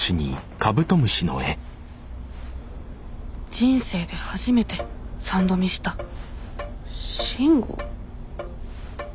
人生で初めて３度見した慎吾？